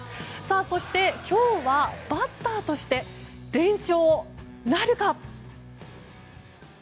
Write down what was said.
そして、今日はバッターとして。連勝なるか。